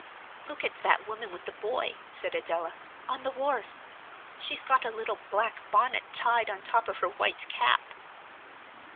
"Look at that woman with the boy," said Adela, on the wharf. She's got a little black bonnet tied on top of her white cap.".